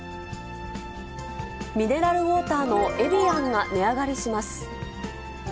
ミネラルウォーターのエビアンが値上がりします。